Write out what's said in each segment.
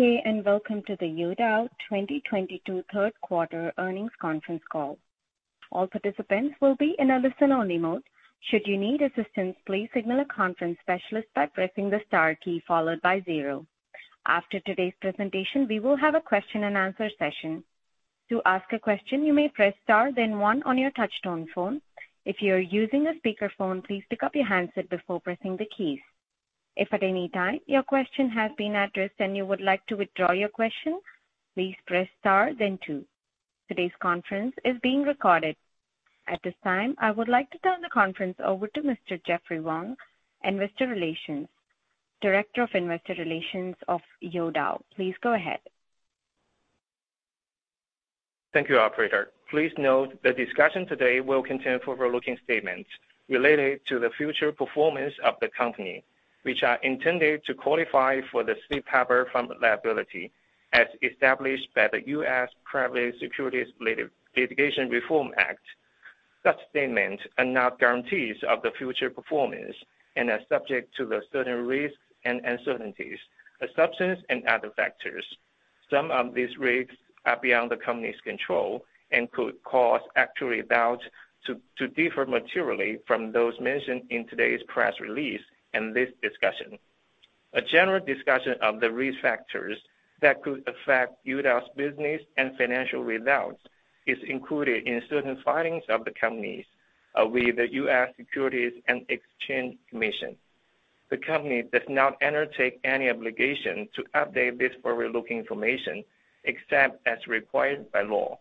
Good day. Welcome to the Youdao 2022 Third Quarter Earnings conference call. All participants will be in a listen-only mode. Should you need assistance, please signal a conference specialist by pressing the star key followed by zero. After today's presentation, we will have a question-and-answer session. To ask a question, you may press star then one on your touchtone phone. If you're using a speakerphone, please pick up your handset before pressing the keys. If at any time your question has been addressed and you would like to withdraw your question, please press star then two. Today's conference is being recorded. At this time, I would like to turn the conference over to Mr. Jeffrey Wang, Director of Investor Relations of Youdao. Please go ahead. Thank you, operator. Please note the discussion today will contain forward-looking statements related to the future performance of the company, which are intended to qualify for the safe harbor from liability as established by the U.S. Private Securities Litigation Reform Act. Such statements are not guarantees of the future performance and are subject to certain risks and uncertainties, assumptions and other factors. Some of these risks are beyond the company's control and could cause actual results to differ materially from those mentioned in today's press release and this discussion. A general discussion of the risk factors that could affect Youdao's business and financial results is included in certain filings of the companies with the U.S. Securities and Exchange Commission. The company does not undertake any obligation to update this forward-looking information except as required by law.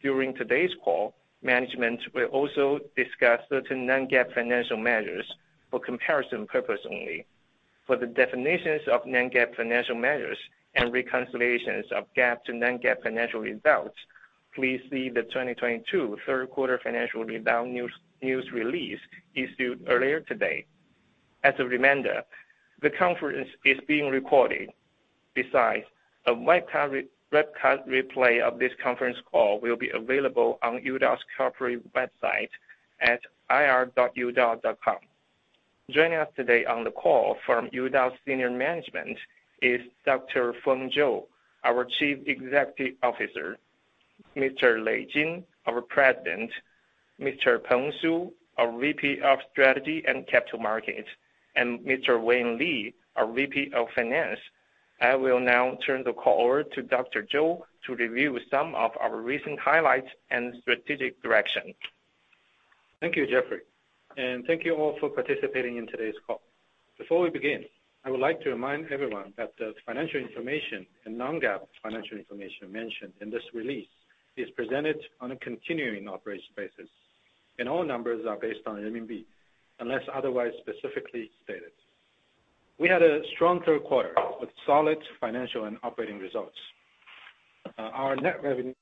During today's call, management will also discuss certain non-GAAP financial measures for comparison purpose only. For the definitions of non-GAAP financial measures and reconciliations of GAAP to non-GAAP financial results, please see the 2022 third quarter financial result news release issued earlier today. As a reminder, the conference is being recorded. Besides, a webcast replay of this conference call will be available on Youdao's corporate website at ir.youdao.com. Joining us today on the call from Youdao senior management is Dr. Feng Zhou, our Chief Executive Officer, Mr. Lei Jin, our President, Mr. Peng Su, our VP of Strategy and Capital Markets, and Mr. Wayne Li, our VP of Finance. I will now turn the call over to Dr. Zhou to review some of our recent highlights and strategic direction. Thank you, Jeffrey, and thank you all for participating in today's call. Before we begin, I would like to remind everyone that the financial information and non-GAAP financial information mentioned in this release is presented on a continuing operations basis, and all numbers are based on RMB, unless otherwise specifically stated. We had a strong third quarter with solid financial and operating results. Our net revenue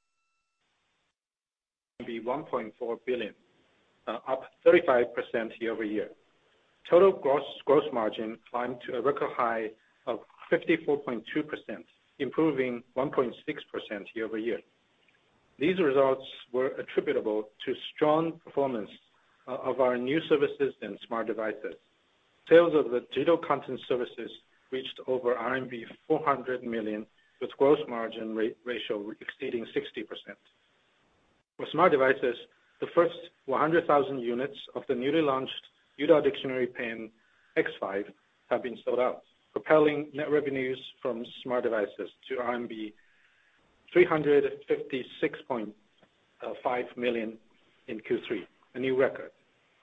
CNY 1.4 billion, up 35% year-over-year. Total gross margin climbed to a record high of 54.2%, improving 1.6% year-over-year. These results were attributable to strong performance of our new services and smart devices. Sales of the digital content services reached over RMB 400 million, with gross margin ratio exceeding 60%. For smart devices, the first 100,000 units of the newly launched Youdao Dictionary Pen X5 have been sold out, propelling net revenues from smart devices to RMB 356.5 million in Q3, a new record.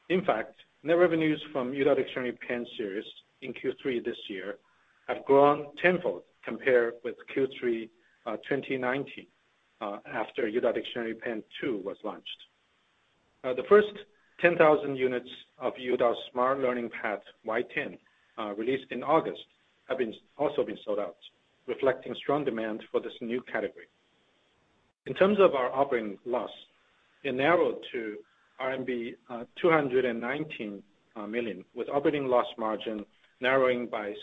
In fact, net revenues from Youdao Dictionary Pen series in Q3 this year have grown tenfold compared with Q3 2019 after Youdao Dictionary Pen 2 was launched. The first 10,000 units of Youdao Smart Learning Pad Y10 released in August have also been sold out, reflecting strong demand for this new category. In terms of our operating loss, it narrowed to RMB 219 million, with operating loss margin narrowing by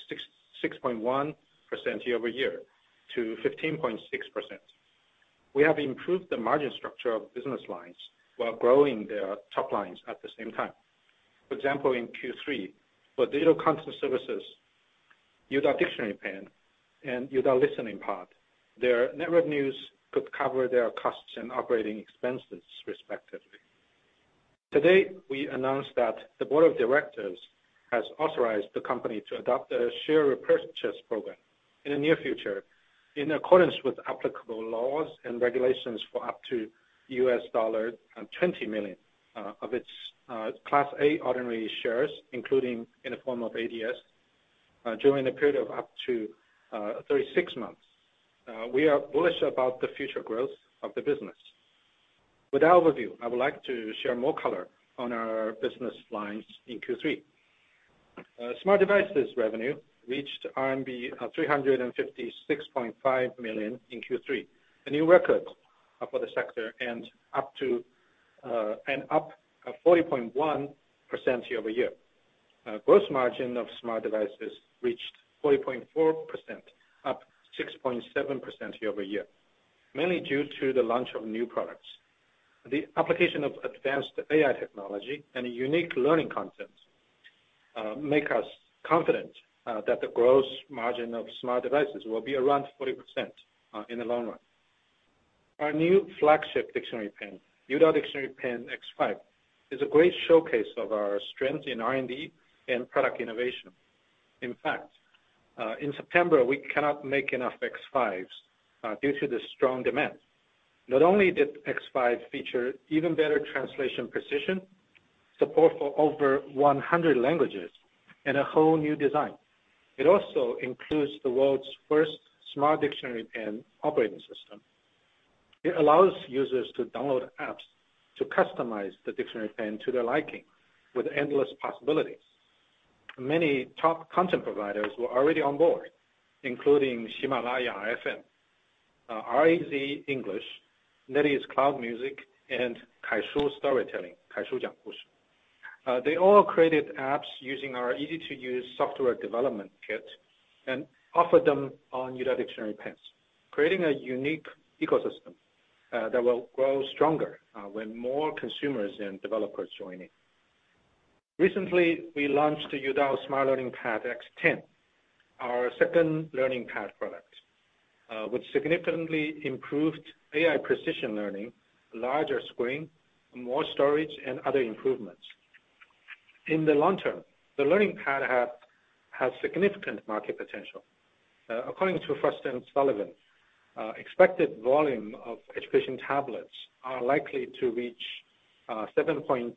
6.1% year-over-year to 15.6%. We have improved the margin structure of business lines while growing their top lines at the same time. For example, in Q3, for digital content services, Youdao Dictionary Pen and Youdao Listening Pod, their net revenues could cover their costs and operating expenses respectively. Today, we announced that the board of directors has authorized the company to adopt a share repurchase program in the near future in accordance with applicable laws and regulations for up to $20 million of its Class A ordinary shares, including in the form of ADS, during a period of up to 36 months. We are bullish about the future growth of the business. With the overview, I would like to share more color on our business lines in Q3. Smart devices revenue reached 356.5 million RMB in Q3, a new record for the sector and up 40.1% year-over-year. Gross margin of smart devices reached 40.4%, up 6.7% year-over-year, mainly due to the launch of new products. The application of advanced A.I. technology and unique learning content make us confident that the gross margin of smart devices will be around 40% in the long run. Our new flagship dictionary pen, Youdao Dictionary Pen X5, is a great showcase of our strength in R&D and product innovation. In fact, in September, we cannot make enough X5s due to the strong demand. Not only did X5 feature even better translation precision, support for over 100 languages, and a whole new design, it also includes the world's first smart dictionary pen operating system. It allows users to download apps to customize the dictionary pen to their liking with endless possibilities. Many top content providers were already on board, including Himalaya FM, Raz-Plus, NetEase Cloud Music, and Kaishu Storytelling. They all created apps using our easy-to-use software development kit and offered them on Youdao dictionary pens, creating a unique ecosystem that will grow stronger when more consumers and developers join in. Recently, we launched the Youdao Smart Learning Pad X10, our second learning pad product with significantly improved AI Precision Learning, larger screen, more storage, and other improvements. In the long term, the learning pad has significant market potential. According to Frost & Sullivan, expected volume of education tablets are likely to reach 7.26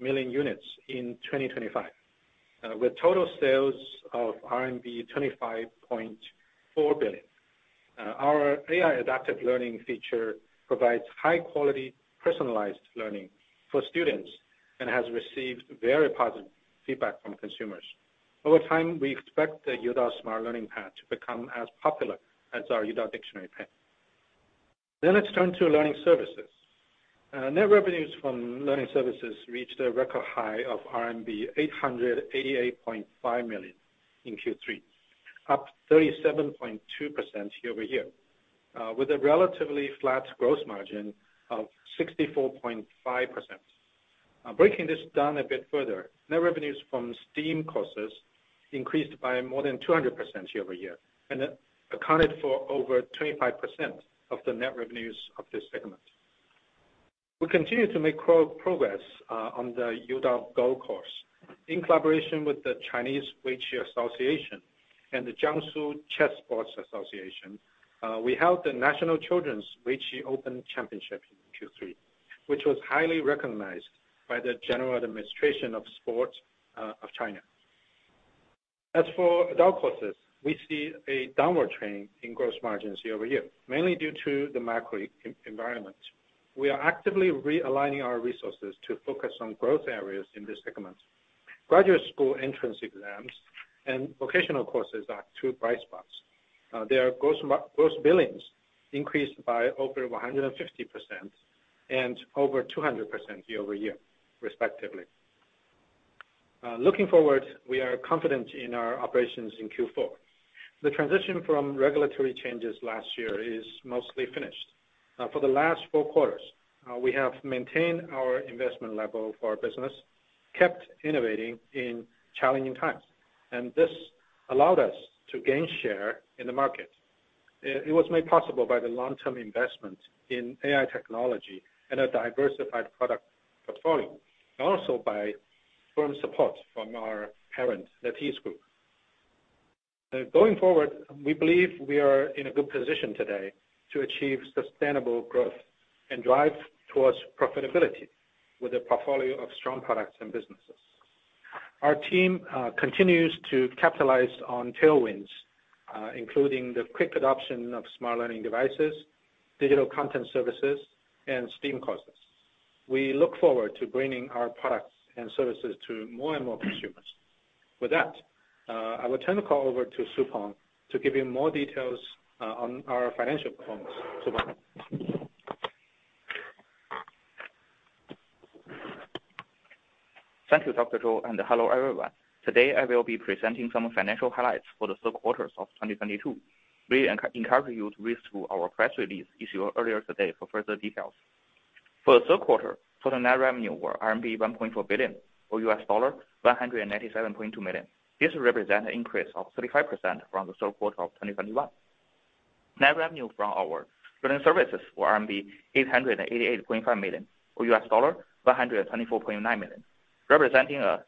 million units in 2025, with total sales of RMB 25.4 billion. Our AI adaptive learning feature provides high-quality personalized learning for students and has received very positive feedback from consumers. Over time, we expect the Youdao Smart Learning Pad to become as popular as our Youdao Dictionary Pen. Let's turn to learning services. Net revenues from learning services reached a record high of RMB 888.5 million in Q3, up 37.2% year-over-year, with a relatively flat gross margin of 64.5%. Breaking this down a bit further, net revenues from STEAM courses increased by more than 200% year-over-year and accounted for over 25% of the net revenues of this segment. We continue to make progress on the Youdao Go course. In collaboration with the Chinese Weiqi Association and the Jiangsu Chess Sports Association, we held the National Children's Weiqi Open Championship in Q3, which was highly recognized by the General Administration of Sport of China. As for adult courses, we see a downward trend in gross margins year-over-year, mainly due to the macro environment. We are actively realigning our resources to focus on growth areas in this segment. Graduate school entrance exams and vocational courses are two bright spots. Their gross billings increased by over 150% and over 200% year-over-year, respectively. Looking forward, we are confident in our operations in Q4. The transition from regulatory changes last year is mostly finished. For the last four quarters, we have maintained our investment level for our business, kept innovating in challenging times, and this allowed us to gain share in the market. It was made possible by the long-term investment in AI technology and a diversified product portfolio, and also by firm support from our parent, NetEase Group. Going forward, we believe we are in a good position today to achieve sustainable growth and drive towards profitability with a portfolio of strong products and businesses. Our team continues to capitalize on tailwinds, including the quick adoption of smart learning devices, digital content services, and STEAM courses. We look forward to bringing our products and services to more and more consumers. With that, I will turn the call over to Su Peng to give you more details on our financial performance. Su Peng? Thank you, Dr. Zhou, and hello, everyone. Today, I will be presenting some financial highlights for the third quarter of 2022. We encourage you to read through our press release issued earlier today for further details. For the third quarter, total net revenue were RMB 1.4 billion, or $197.2 million. This represent an increase of 35% from the third quarter of 2021. Net revenue from our learning services were RMB 888.5 million, or $124.9 million, representing a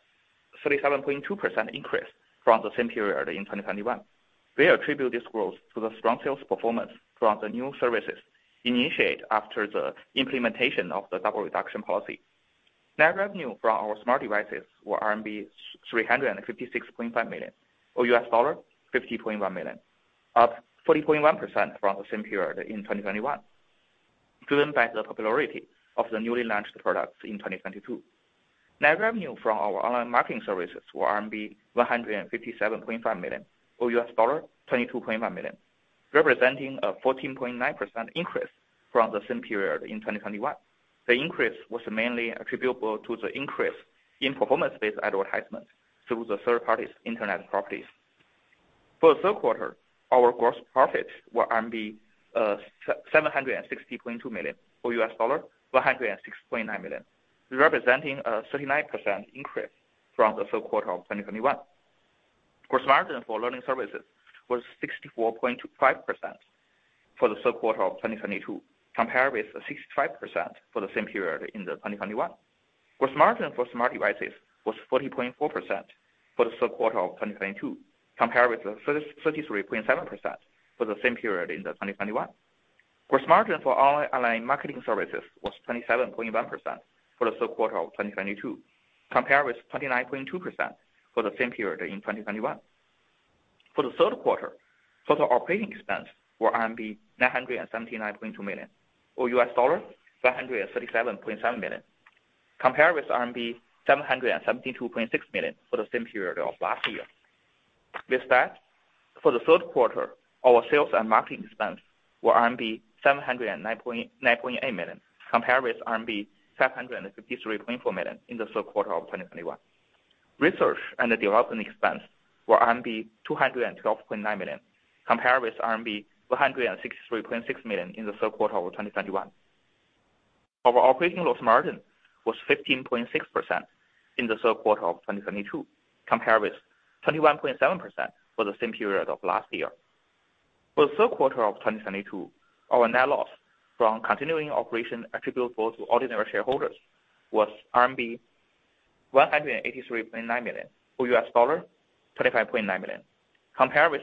37.2% increase from the same period in 2021. We attribute this growth to the strong sales performance from the new services initiate after the implementation of the Double Reduction policy. Net revenue from our smart devices were RMB 356.5 million, or $50.1 million, up 40.1% from the same period in 2021, driven by the popularity of the newly launched products in 2022. Net revenue from our online marketing services were RMB 157.5 million, or $22.5 million, representing a 14.9% increase from the same period in 2021. The increase was mainly attributable to the increase in performance-based advertisements through the third-party's internet properties. For the third quarter, our gross profits were 760.2 million, or $106.9 million, representing a 39% increase from the third quarter of 2021. Gross margin for learning services was 64.5% for the third quarter of 2022, compared with 65% for the same period in the 2021. Gross margin for smart devices was 40.4% for the third quarter of 2022, compared with 33.7% for the same period in the 2021. Gross margin for online marketing services was 27.1% for the third quarter of 2022, compared with 29.2% for the same period in 2021. For the third quarter, total operating expense were RMB 979.2 million, or U.S. dollar, $137.7 million, compared with RMB 772.6 million for the same period of last year. With that, for the third quarter, our sales and marketing expense were RMB 709.8 million, compared with RMB 753.4 million in the third quarter of 2021. Research and development expense were RMB 212.9 million, compared with RMB 163.6 million in the third quarter of 2021. Our operating loss margin was 15.6% in the third quarter of 2022, compared with 21.7% for the same period of last year. For the third quarter of 2022, our net loss from continuing operation attributable to ordinary shareholders was RMB 183.9 million, or $25.9 million, compared with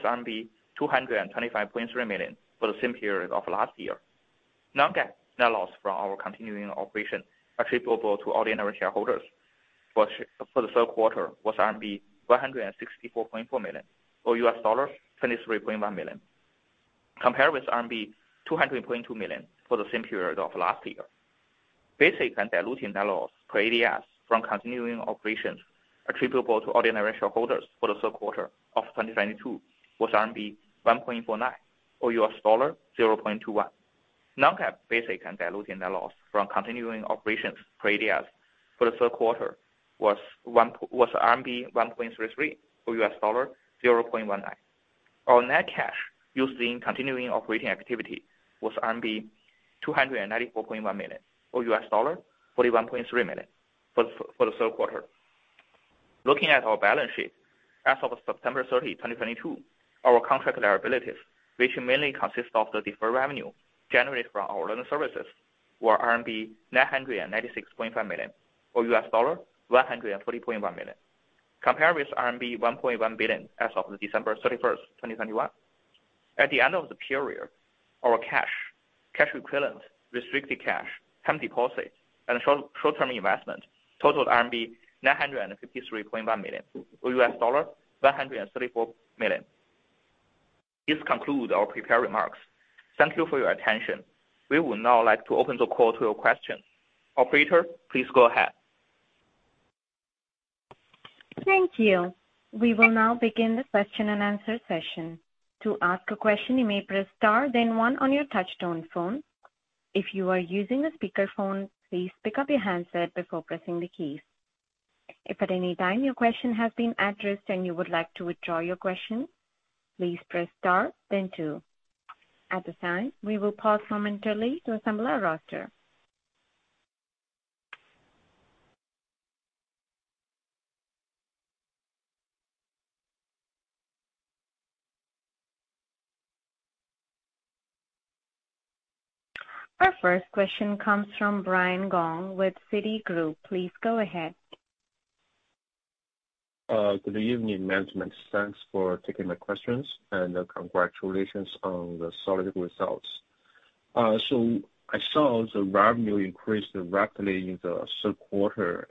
RMB 225.3 million for the same period of last year. Non-GAAP net loss from our continuing operation attributable to ordinary shareholders for the third quarter was RMB 164.4 million, or $23.1 million, compared with RMB 200.2 million for the same period of last year. Basic and diluting net loss per ADS from continuing operations attributable to ordinary shareholders for the third quarter of 2022 was RMB 1.49 or $0.21. Non-GAAP basic and diluting net loss from continuing operations per ADS for the third quarter was RMB 1.33 or $0.19. Our net cash used in continuing operating activity was RMB 294.1 million or $41.3 million for the third quarter. Looking at our balance sheet as of September 30, 2022, our contract liabilities, which mainly consist of the deferred revenue generated from our learning services, were RMB 996.5 million or $140.1 million, compared with RMB 1.1 billion as of December 31st, 2021. At the end of the period, our cash equivalent, restricted cash, term deposits and short-term investments totaled RMB 953.1 million or $134 million. This conclude our prepared remarks. Thank you for your attention. We would now like to open the call to your questions. Operator, please go ahead. Thank you. We will now begin the question and answer session. To ask a question, you may press star then one on your touch-tone phone. If you are using a speakerphone, please pick up your handset before pressing the keys. If at any time your question has been addressed and you would like to withdraw your question, please press star then two. At this time, we will pause momentarily to assemble our roster. Our first question comes from Brian Gong with Citigroup. Please go ahead. Good evening, management. Thanks for taking my questions, and congratulations on the solid results. I saw the revenue increased rapidly in the third quarter.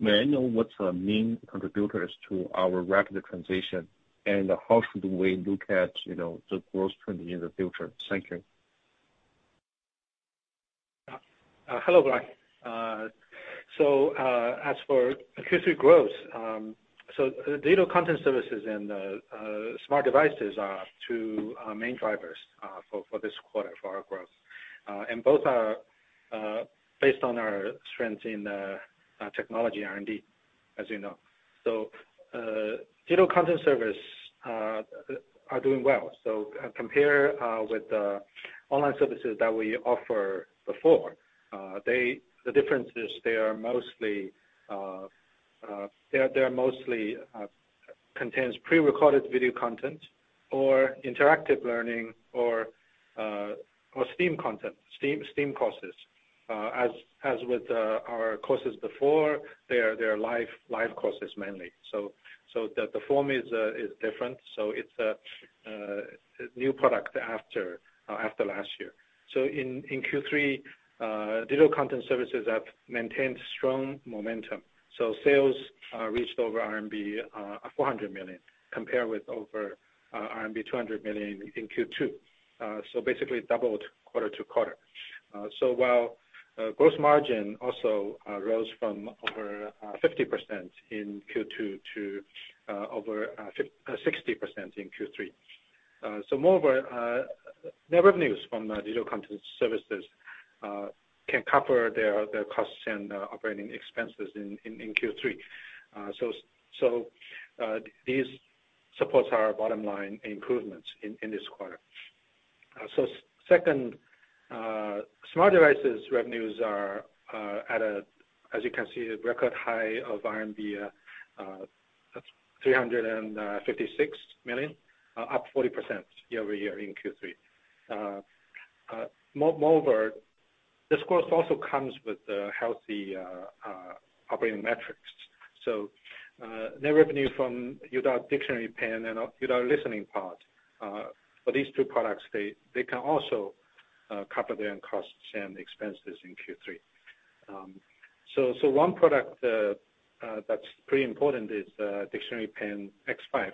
May I know what's the main contributors to our rapid transition and how should we look at, you know, the growth trend in the future? Thank you. Hello, Brian. As for Q3 growth, digital content services and smart devices are two main drivers for this quarter for our growth. Both are based on our strength in technology R&D, as you know. Digital content service are doing well. Compared with the online services that we offer before, the difference is they're mostly contains pre-recorded video content or interactive learning or STEAM content, STEAM courses. As with our courses before, they are live courses mainly. The form is different. It's a new product after last year. In Q3, digital content services have maintained strong momentum. Sales reached over RMB 400 million, compared with over RMB 200 million in Q2. Basically doubled quarter-to-quarter, while gross margin also rose from over 50% in Q2 to over 60% in Q3. Moreover, the revenues from the digital content services can cover their costs and operating expenses in Q3. This supports our bottom line improvements in this quarter. Second, smart devices revenues are at, as you can see, a record high of RMB 356 million, up 40% year-over-year in Q3. Moreover, this growth also comes with a healthy operating metrics. Net revenue from Youdao Dictionary Pen and Youdao Listening Pod, for these two products, they can also cover their own costs and expenses in Q3. One product that's pretty important is Dictionary Pen X5,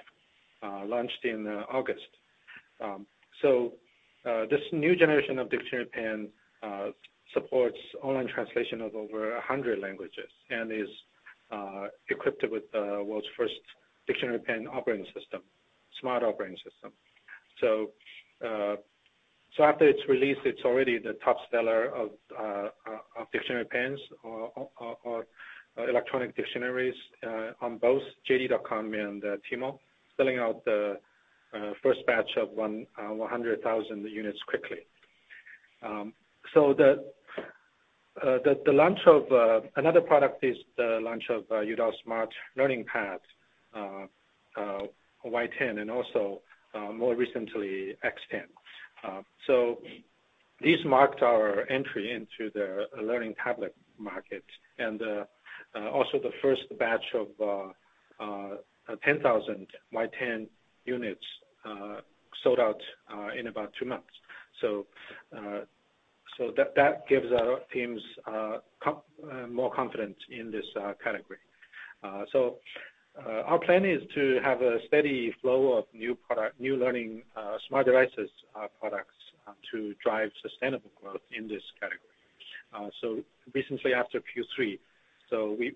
launched in August. This new generation of Dictionary Pen supports online translation of over 100 languages and is equipped with the world's first Dictionary Pen operating system, smart operating system. After its release, it's already the top seller of Dictionary Pens or electronic dictionaries on both JD.com and Tmall, selling out the first batch of 100,000 units quickly. The launch of another product is the launch of Youdao Smart Learning Pad Y10 and also more recently, X10. These marked our entry into the learning tablet market and also the first batch of 10,000 Y10 units sold out in about two months. That gives our teams more confidence in this category. Our plan is to have a steady flow of new product, new learning smart devices products to drive sustainable growth in this category. Recently after Q3,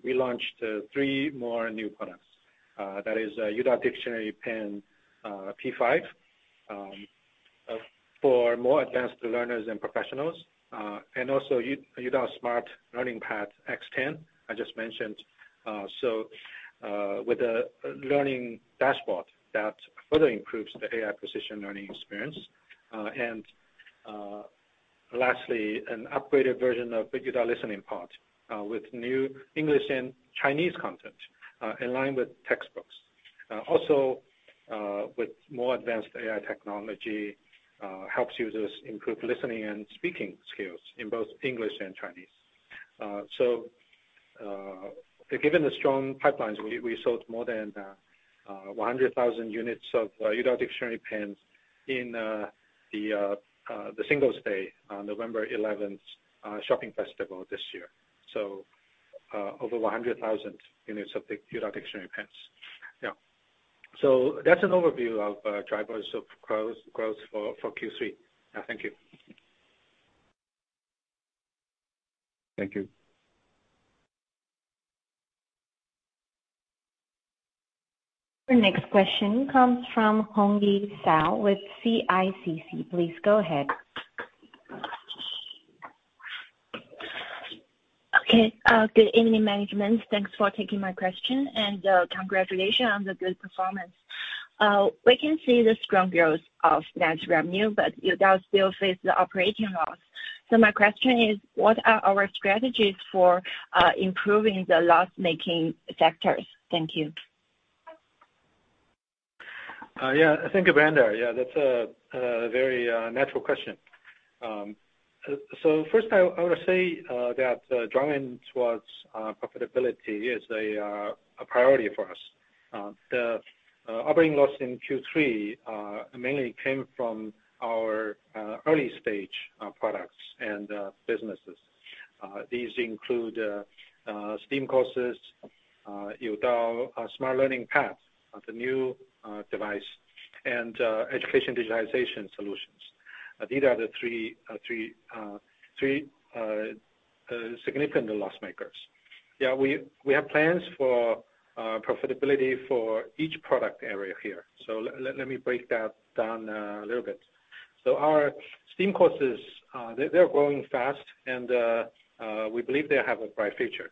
we launched three more new products. That is Youdao Dictionary Pen P5 for more advanced learners and professionals. Also Youdao Smart Learning Pad X10, I just mentioned. With a learning dashboard that further improves the AI Precision Learning experience. Lastly, an upgraded version of big Youdao Listening Pod with new English and Chinese content in line with textbooks. Also with more advanced A.I. technology, helps users improve listening and speaking skills in both English and Chinese. Given the strong pipelines, we sold more than 100,000 units of Youdao Dictionary Pens in the Singles' Day on November 11th shopping festival this year. Over 100,000 units of Youdao Dictionary Pens. Yeah. That's an overview of drivers of growth for Q3. Thank you. Thank you. Your next question comes from Hongyi Zhao with CICC. Please go ahead. Okay. Good evening, management. Thanks for taking my question and congratulations on the good performance. We can see the strong growth of that revenue, but Youdao still face the operating loss. My question is, what are our strategies for improving the loss-making factors? Thank you. Yeah, thank you, Brenda. Yeah, that's a very natural question. First I wanna say that driving towards profitability is a priority for us. The operating loss in Q3 mainly came from our early stage products and businesses. These include STEAM courses, Youdao Smart Learning Pad, the new device, and education digitization solutions. These are the three significant loss makers. Yeah, we have plans for profitability for each product area here. Let me break that down a little bit. Our STEAM courses, they're growing fast and we believe they have a bright future.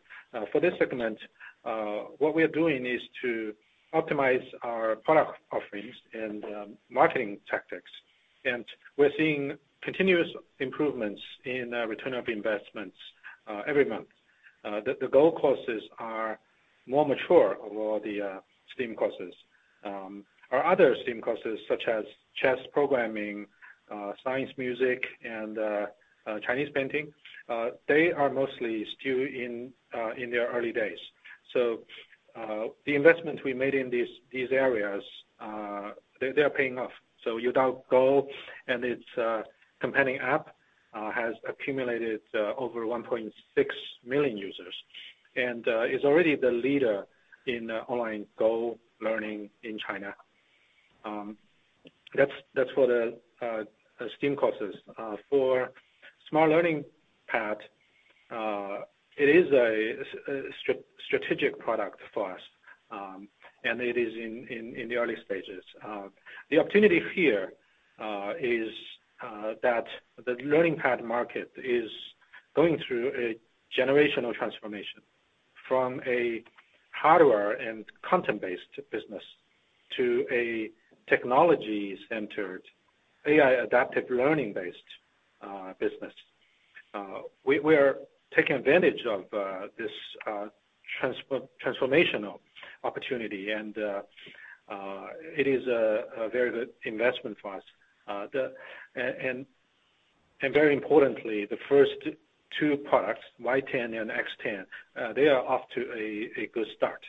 For this segment, what we are doing is to optimize our product offerings and marketing tactics. We're seeing continuous improvements in return of investments every month. The Go courses are more mature over the STEAM courses. Our other STEAM courses such as chess, programming, science, music, and Chinese painting, they are mostly still in their early days. The investments we made in these areas, they are paying off. Youdao Go and its companion app has accumulated over 1.6 million users and is already the leader in online Go learning in China. That's for the STEAM courses. For Smart Learning Pad, it is a strategic product for us, and it is in the early stages. The opportunity here is that the learning pad market is going through a generational transformation from a hardware and content-based business to a technology-centered AI adaptive learning-based business. We are taking advantage of this transformational opportunity, and it is a very good investment for us. Very importantly, the first two products, Y10 and X10, they are off to a good start.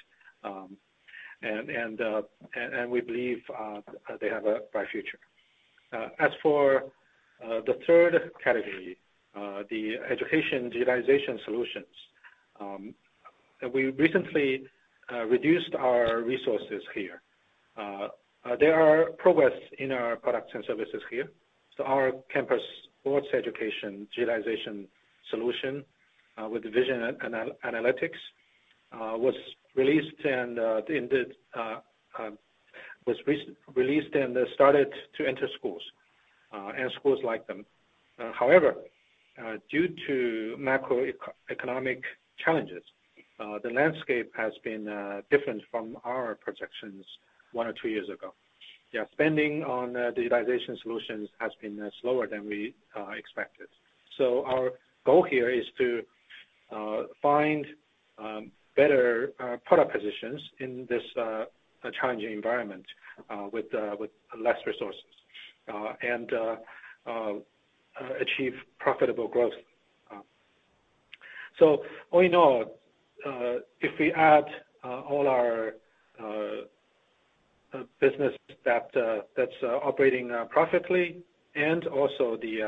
We believe they have a bright future. As for the third category, the education digitization solutions, we recently reduced our resources here. There are progress in our products and services here. Our campus sports education digitization solution with vision analytics was re-released and started to enter schools and schools like them. However, due to macroeconomic challenges, the landscape has been different from our projections one or two years ago. Yeah, spending on digitization solutions has been slower than we expected. Our goal here is to find better product positions in this challenging environment with less resources and achieve profitable growth. All in all, if we add all our business that's operating profitably and also these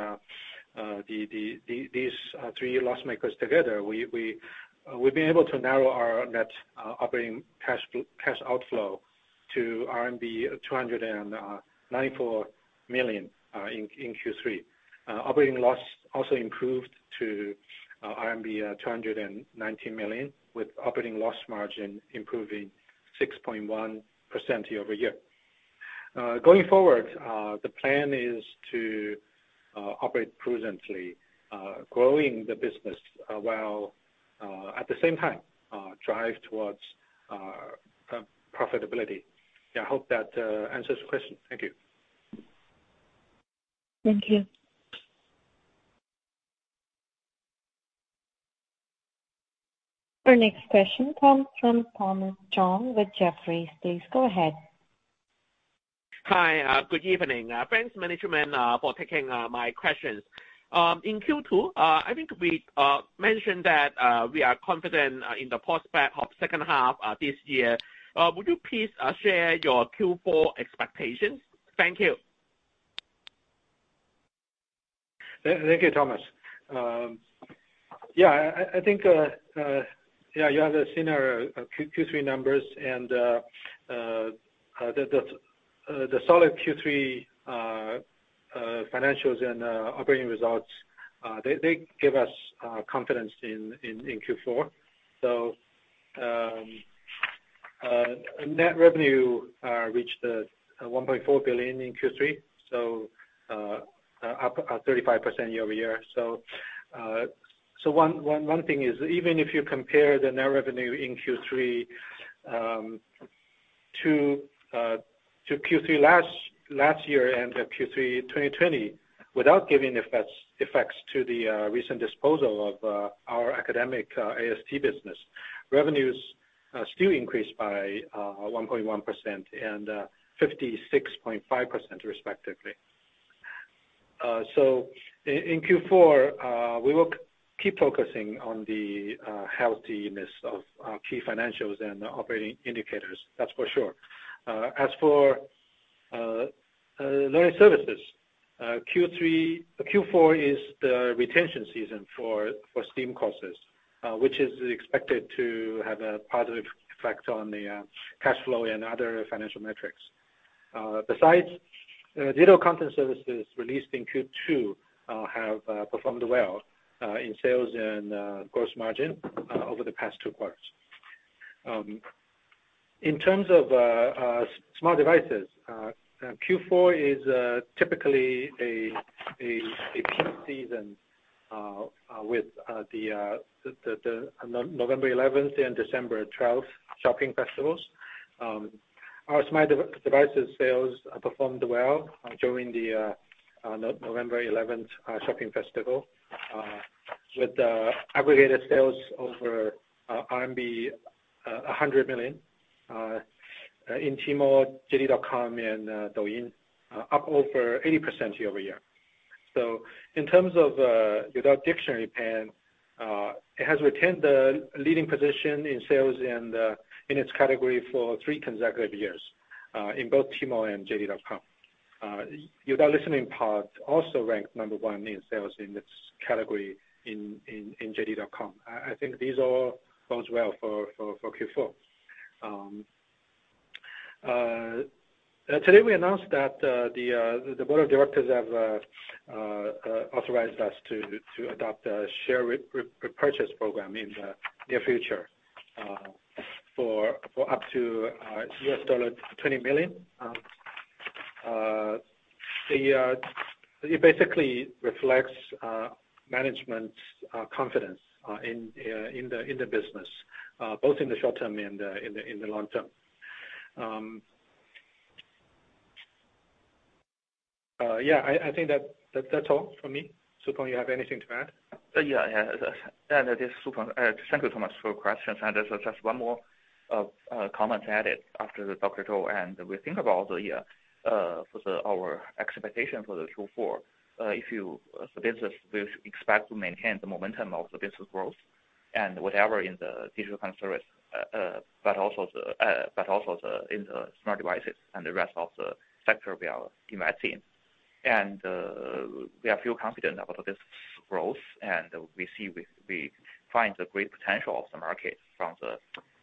three loss makers together, we've been able to narrow our net operating cash outflow to RMB 294 million in Q3. Operating loss also improved to RMB 219 million, with operating loss margin improving 6.1% year-over-year. Going forward, the plan is to operate prudently, growing the business while at the same time drive towards profitability. Yeah, I hope that answers the question. Thank you. Thank you. Our next question comes from Thomas Chong with Jefferies. Please go ahead. Hi. Good evening. Thanks management for taking my questions. In Q2, I think we mentioned that we are confident in the prospect of second half this year. Would you please share your Q4 expectations? Thank you. Tha-thank you, Thomas. Um, yeah, I think, uh, yeah, you have seen our Q3 numbers and, uh, uh, the, uh, the solid Q3, uh, financials and, uh, operating results, uh, they give us, uh, confidence in, in Q4. So, um, uh, net revenue, uh, reached, uh, one point four billion in Q3, so, uh, up, uh, thirty-five percent year over year. So, uh, so one, one thing is, even if you compare the net revenue in Q3, um, to, uh, to Q3 last year and Q3 2020, without giving effects to the, uh, recent disposal of, uh, our academic, uh, AST business, revenues, uh, still increased by, uh, one point one percent and, uh, fifty-six point five percent respectively. In Q4, we will keep focusing on the healthiness of our key financials and operating indicators, that's for sure. As for learning services, Q4 is the retention season for STEAM courses, which is expected to have a positive effect on the cash flow and other financial metrics. Besides, digital content services released in Q2 have performed well in sales and gross margin over the past two quarters. In terms of smart devices, Q4 is typically a peak season with the November 11th and December 12th shopping festivals. Our smart devices sales performed well during the November 11th shopping festival with aggregated sales over RMB 100 million in Tmall, JD.com and Douyin, up over 80% year-over-year. In terms of Youdao Dictionary Pen, it has retained the leading position in sales in its category for three consecutive years in both Tmall and JD.com. Youdao Listening Pod also ranked number one in sales in this category in JD.com. I think these all bodes well for Q4. Today we announced that the board of directors have authorized us to adopt a share repurchase program in the near future for up to $20 million. It basically reflects management's confidence in the business both in the short term and in the long term. Yeah, I think that's all for me. Su Peng, you have anything to add? Yeah, yeah. This is Su Peng. Thank you, Thomas, for your questions. Just one more comment to add it after Dr. Zhou. We think about our expectation for the Q4. The business, we expect to maintain the momentum of the business growth and whatever in the digital content service, but also in the smart devices and the rest of the sector we are investing. We are feel confident about this growth, and we find the great potential of the market from the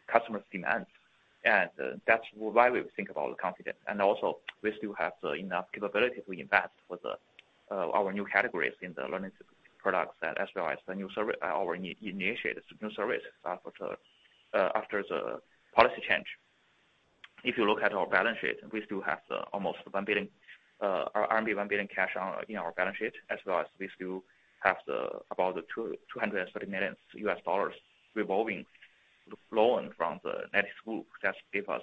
customer's demands. That's why we think about the confidence. We still have enough capability to invest with our new categories in the learning products as well as the new service or initiate new service for after the policy change. If you look at our balance sheet, we still have almost 1 billion cash in our balance sheet, as well as we still have about $230 million revolving loan from NetEase. That give us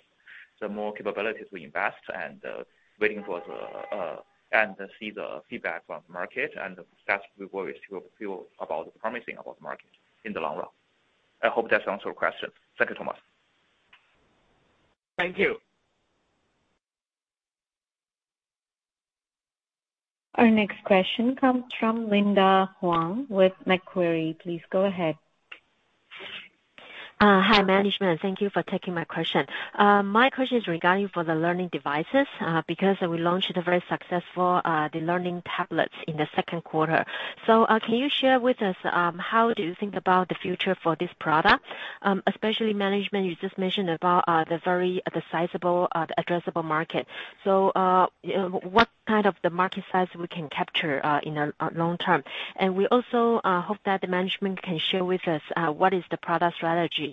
more capabilities we invest and to see the feedback from market. That's why we feel promising about market in the long run. I hope that answers your question. Thank you, Thomas. Thank you. Our next question comes from Linda Huang with Macquarie. Please go ahead. Hi, management. Thank you for taking my question. My question is regarding for the learning devices because we launched a very successful the learning tablets in the second quarter. Can you share with us how do you think about the future for this product? Especially management, you just mentioned about the very sizable addressable market. You know, what kind of the market size we can capture in the long term? We also hope that management can share with us what is the product strategy.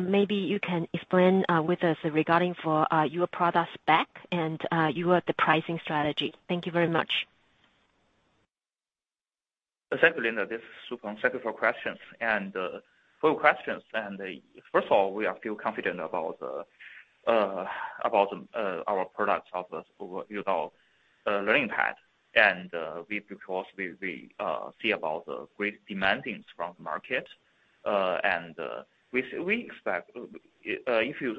Maybe you can explain with us regarding for your product spec and your pricing strategy. Thank you very much. Thank you, Linda. This is Su Peng. Thank you for questions. For your questions. First of all, we are feel confident about our products of the Youdao Learning Pad. Because we see about the great demandings from the market, we expect,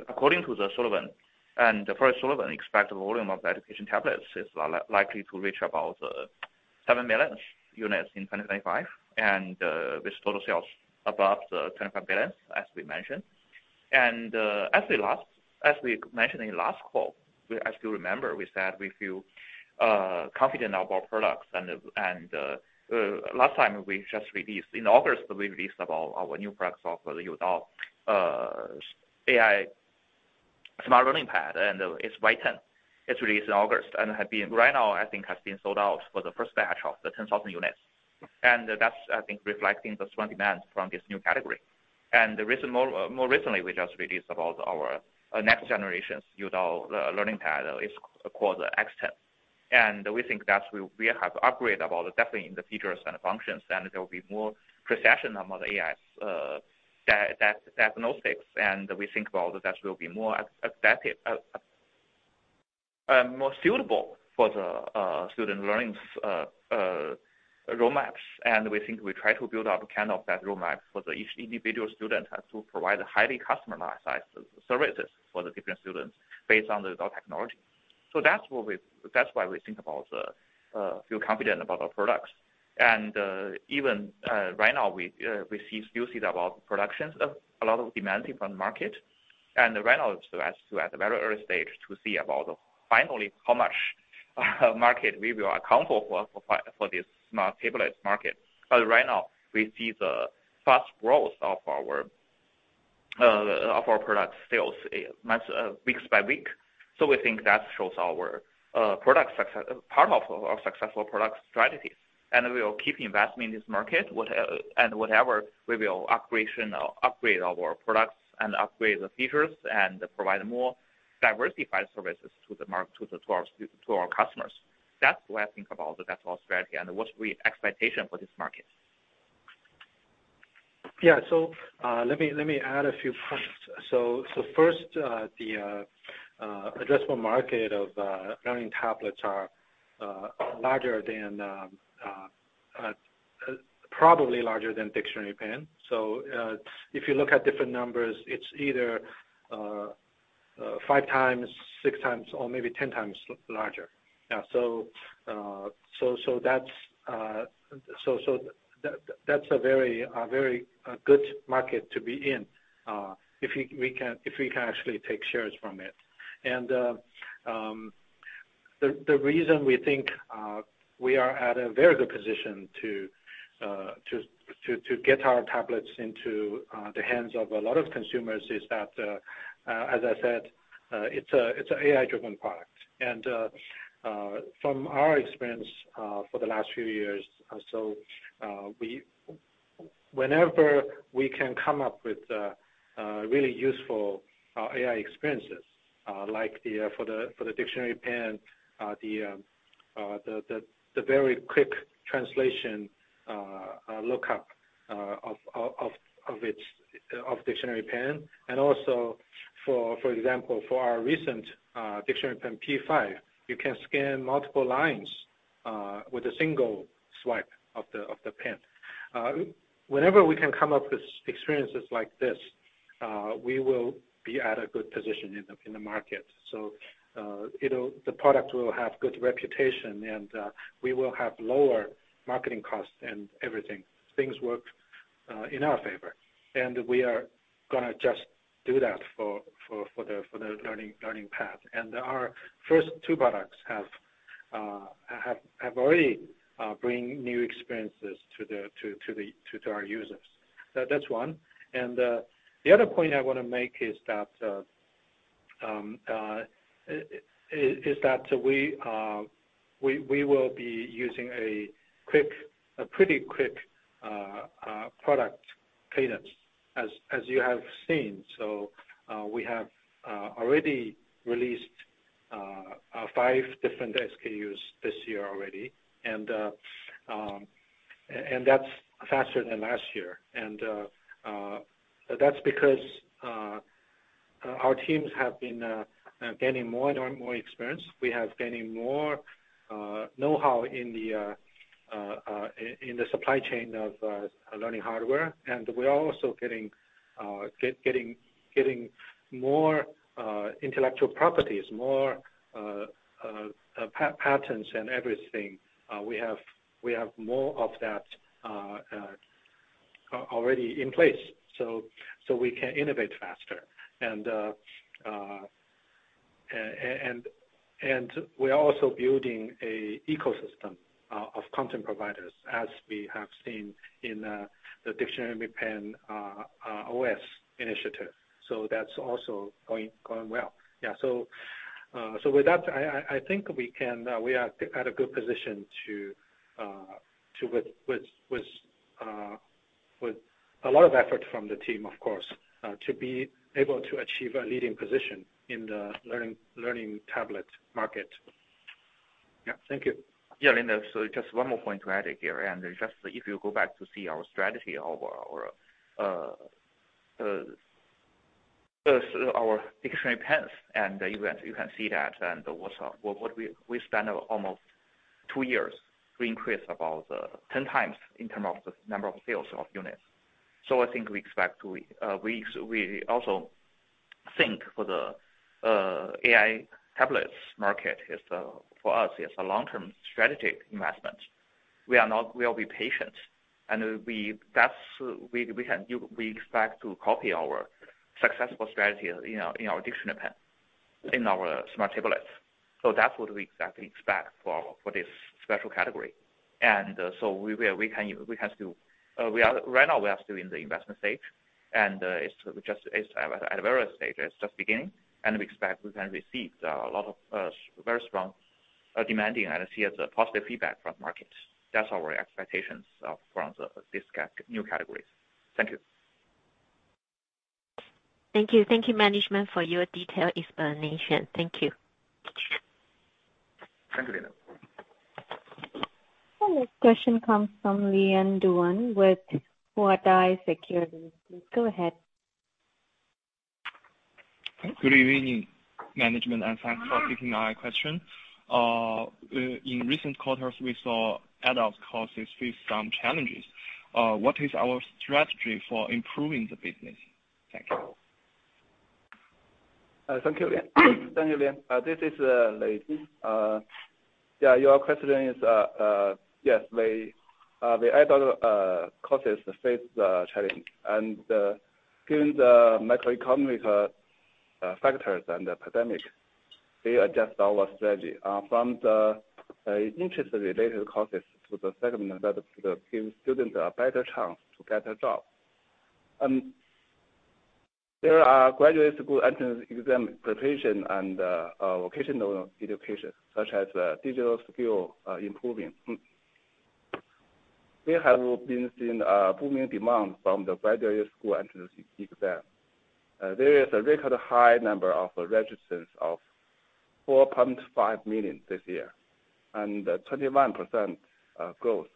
according to Frost & Sullivan, the volume of the education tablets is likely to reach about 7 million units in 2025, with total sales above the 25 billion, as we mentioned. As we mentioned in last call, we, as you remember, we said we feel confident about products. Last time we just released in August, we released about our new products of the Youdao AI Smart Learning Pad, and it's Y10. It's released in August and right now, I think has been sold out for the first batch of the 10,000 units. That's, I think, reflecting the strong demand from this new category. More recently, we just released about our next generation's Youdao Learning Pad is called the X10. We think that we have upgraded about definitely in the features and functions, and there will be more precision on the AI's diagnostics. We think about that will be more adaptive, more suitable for the student learning's roadmaps. We think we try to build out kind of that roadmap for the each individual student and to provide a highly customized services for the different students based on the Youdao technology. That's why we feel confident about our products. Even right now, we still see the about productions of a lot of demanding from market. Right now it's still at the very early stage to see about the finally how much market we will account for this smart tablets market. Right now we see the fast growth of our product sales weeks by week. We think that shows our product success, part of our successful product strategies. We will keep investing in this market, whatever we will operation or upgrade our products and upgrade the features and provide more diversified services to our customers. That's why I think about that's our strategy and what we expectation for this market. Yeah. Let me add a few points. First, the addressable market of learning tablets are larger than, probably larger than Dictionary Pen. If you look at different numbers, it's either five times, six times or maybe 10x larger. Yeah. That's a very good market to be in if we can actually take shares from it. The reason we think we are at a very good position to get our tablets into the hands of a lot of consumers is that, as I said, it's AI-driven product. From our experience for the last few years or so, whenever we can come up with really useful AI experiences, like for the Dictionary Pen, the very quick translation lookup of its Dictionary Pen and also for example for our recent Dictionary Pen P5, you can scan multiple lines with a single swipe of the pen. Whenever we can come up with experiences like this, we will be at a good position in the market. The product will have good reputation and we will have lower marketing costs and everything. Things work in our favor. We are gonna just do that for the learning pad. Our first two products have already bring new experiences to our users. That's one. The other point I wanna make is that we will be using a pretty quick product cadence as you have seen. We have already released five different SKUs this year already. That's faster than last year. That's because our teams have been gaining more and more experience. We have gaining more know-how in the supply chain of learning hardware. We're also getting more intellectual properties, more patents and everything. We have more of that already in place so we can innovate faster. We are also building a ecosystem of content providers as we have seen in the Dictionary Pen OS initiative. That's also going well. Yeah. With that, I think we are at a good position, with a lot of effort from the team, of course, to be able to achieve a leading position in the learning tablet market. Yeah. Thank you. Yeah. Linda, just one more point to add here. Just if you go back to see our strategy of our Dictionary Pens, you can see that and what we spent almost two years to increase about 10x in term of the number of sales of units. I think we also think for the AI tablets market is, for us, it's a long-term strategic investment. We'll be patient. We expect to copy our successful strategy in our Dictionary Pen in our smart tablets. That's what we exactly expect for this special category. Right now we are still in the investment stage. It's at an early stage. It's just beginning, and we expect we can receive a lot of very strong demand and see as a positive feedback from markets. That's our expectations from this new categories. Thank you. Thank you. Thank you, management for your detailed explanation. Thank you. Thank you, Linda. Our next question comes from Lian Duan with Huatai Securities. Please go ahead. Good evening, management, and thanks for taking our question. In recent quarters, we saw adult courses face some challenges. What is our strategy for improving the business? Thank you. Thank you, Lian. This is Lei. Your question is, yes, the adult courses face the challenge. Given the macroeconomic factors and the pandemic, we adjust our strategy from the interest-related courses to the segment that give students a better chance to get a job. There are graduate school entrance exam preparation and vocational education such as digital skill improving. We have been seeing a booming demand from the graduate school entrance exam. There is a record high number of registrants of 4.5 million this year, and 21% growth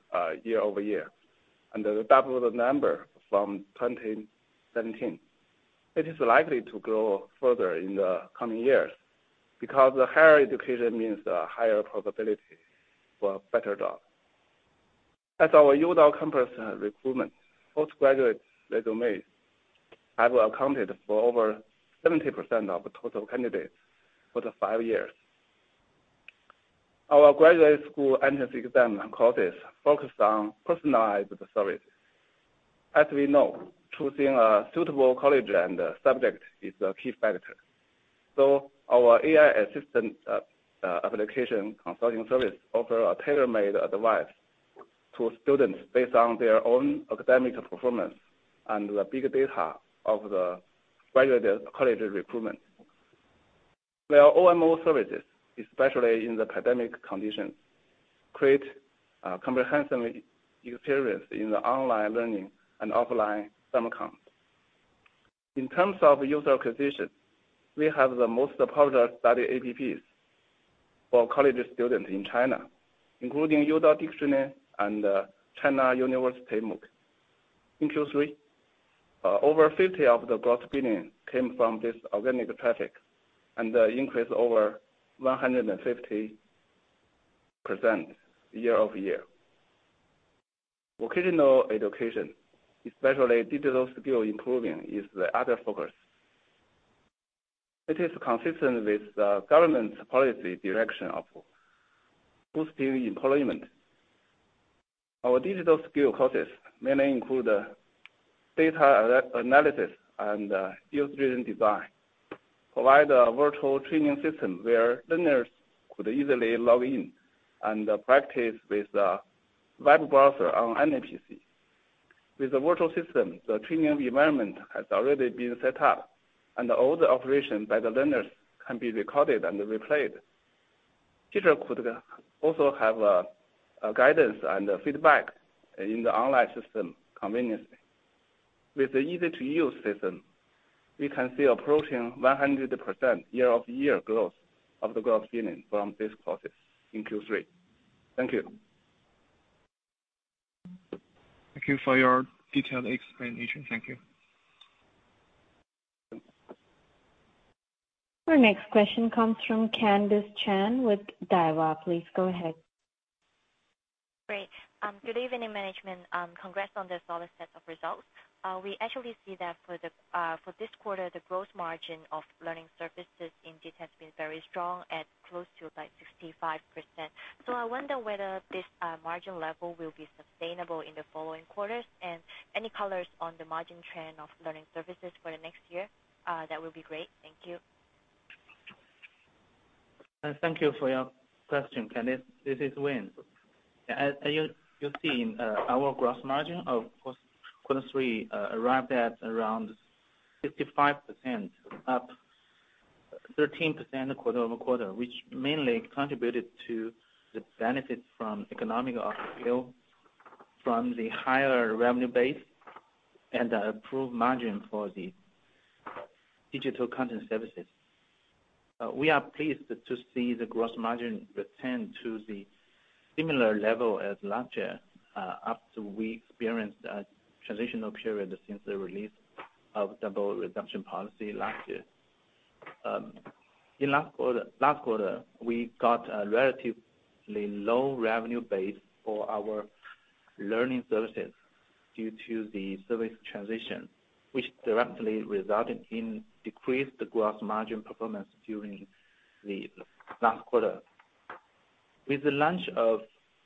year-over-year. The double the number from 2017. It is likely to grow further in the coming years because the higher education means a higher probability for a better job. As our Youdao Campus Recruitment, postgraduates resumes have accounted for over 70% of total candidates for the five years. Our graduate school entrance exam courses focus on personalized service. As we know, choosing a suitable college and a subject is a key factor. Our AI assistant application consulting service offer a tailor-made advice to students based on their own academic performance and the big data of the graduated college recruitment. Their OMO services, especially in the pandemic conditions, create a comprehensive experience in the online learning and offline summer camp. In terms of user acquisition, we have the most popular study apps for college students in China, including Youdao Dictionary and China University MOOC. In Q3, over 50% of the gross billing came from this organic traffic and increased over 150% year-over-year. Vocational education, especially digital skill improving, is the other focus. It is consistent with the government's policy direction of boosting employment. Our digital skill courses mainly include data analysis and user interface design. Provide a virtual training system where learners could easily log in and practice with a web browser on any PC. With the virtual system, the training environment has already been set up, and all the operations by the learners can be recorded and replayed. Teacher could also have a guidance and a feedback in the online system conveniently. With the easy-to-use system, we can see approaching 100% year-over-year growth of the gross billing from these courses in Q3. Thank you. Thank you for your detailed explanation. Thank you. Our next question comes from Candice Chen with Daiwa. Please go ahead. Great. Good evening, management. Congrats on the solid set of results. We actually see that for this quarter, the gross margin of learning services indeed has been very strong at close to like 65%. I wonder whether this margin level will be sustainable in the following quarters, and any colors on the margin trend of learning services for the next year? That would be great. Thank you. Thank you for your question, Candice. This is Wayne. As you see in our gross margin of course, quarter three arrived at around 65%, up 13% quarter-over-quarter, which mainly contributed to the benefit from economies of scale from the higher revenue base and the improved margin for the digital content services. We are pleased to see the gross margin return to the similar level as last year after we experienced a transitional period since the release of Double Reduction policy last year. In last quarter, we got a relatively low revenue base for our learning services due to the service transition, which directly resulted in decreased gross margin performance during the last quarter. With the launch of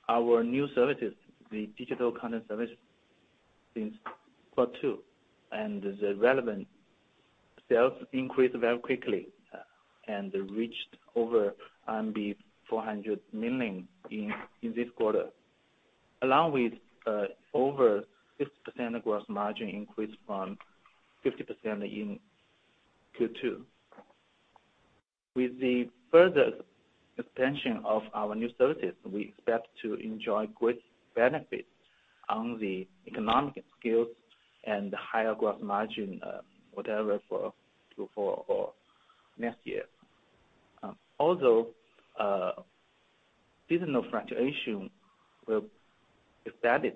our new services, the digital content service since quarter two, and the relevant sales increased very quickly and reached over RMB 400 million in this quarter, along with over 50% gross margin increase from 50% in Q2. With the further extension of our new services, we expect to enjoy great benefits on the economic scale and higher gross margin whatever for next year. Although seasonal fluctuation will be studied,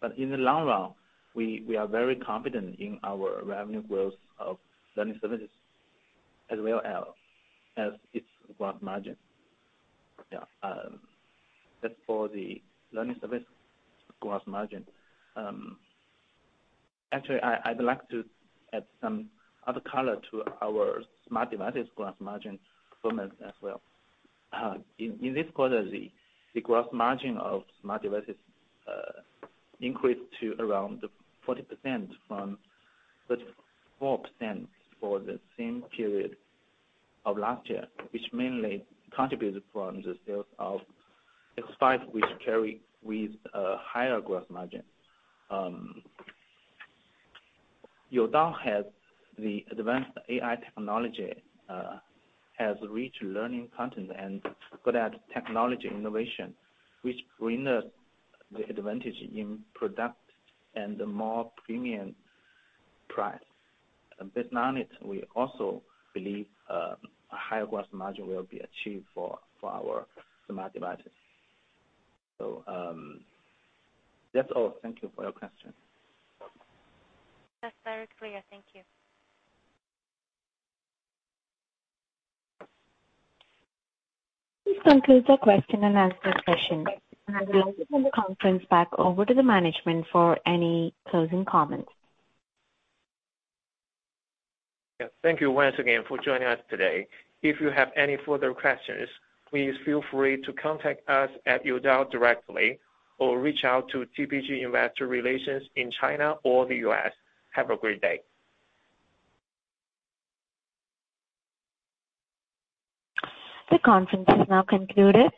but in the long run, we are very confident in our revenue growth of learning services as well as its gross margin. Yeah, that's for the learning service gross margin. Actually, I'd like to add some other color to our smart devices gross margin performance as well. In this quarter, the gross margin of smart devices increased to around 40% from 34% for the same period of last year, which mainly contributed from the sales of X5, which carry with a higher gross margin. Youdao has the advanced AI technology, has rich learning content and good at technology innovation, which bring us the advantage in product and more premium price. Based on it, we also believe a higher gross margin will be achieved for our smart devices. That's all. Thank you for your question. That's very clear. Thank you. This concludes the question and answer session. I would like to turn the conference back over to the management for any closing comments. Yeah. Thank you once again for joining us today. If you have any further questions, please feel free to contact us at Youdao directly or reach out to TPG Investor Relations in China or the U.S. Have a great day. The conference is now concluded.